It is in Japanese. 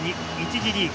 次リーグ